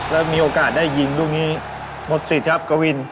แล้วมีโอกาสยิงดูนี้หมดศิษย์ครับกะวิค